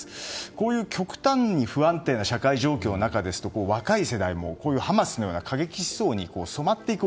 こういう極端に不安定な社会状況の中ですと若い世代もハマスのような過激思想に染まっていく。